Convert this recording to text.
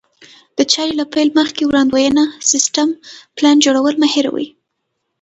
د چارې له پيل مخکې وړاندوینه، سيستم، پلان جوړول مه هېروئ.